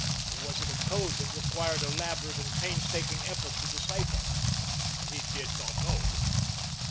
Was it a code that required elaborate and painstaking effort to decipher? He did not know.